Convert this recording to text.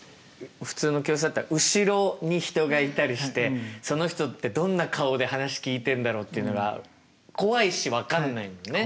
普通の教室だったら後ろに人がいたりしてその人ってどんな顔で話聞いてんだろうっていうのが怖いし分かんないもんね。